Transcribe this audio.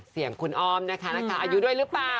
เสียงคุณอ้อมนะคะราคาอายุด้วยหรือเปล่า